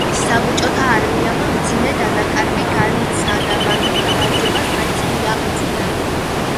საბჭოთა არმიამ მძიმე დანაკარგი განიცადა, მაგრამ გამარჯვებას მაინც მიაღწია.